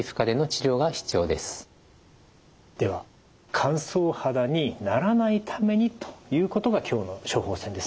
では乾燥肌にならないためにということが今日の処方せんですね。